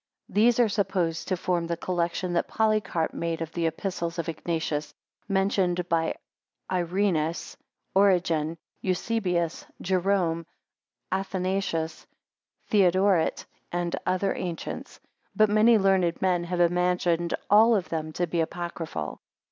These are supposed to form the collection that Polycarp made of the Epistles of Ignatius, mentioned by Irenaes, Origen, Eusebius, Jerome, Athanasius, Theodoret, and other ancients: but many learned men have imagined all of them to be apocryphal.